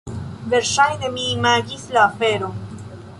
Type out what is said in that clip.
Verŝajne mi imagis la aferon!